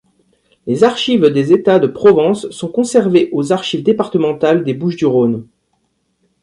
Les archives des États de Provence sont conservées aux Archives départementales des Bouches-du-Rhône.